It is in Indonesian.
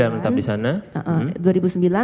dua ribu sembilan menetap di sana